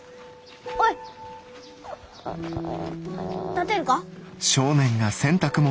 立てるか？